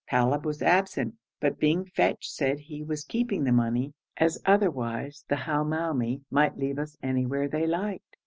Talib was absent, but being fetched said he was keeping the money, as otherwise the Hamoumi might leave us anywhere they liked.